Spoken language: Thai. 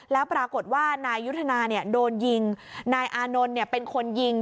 แล้วปรากฏว่านายยุทธนาโดนยิงนายอานนท์เป็นคนยิง